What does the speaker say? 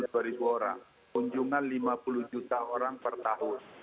dua ribu orang kunjungan lima puluh juta orang per tahun